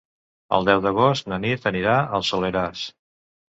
El deu d'agost na Nit anirà al Soleràs.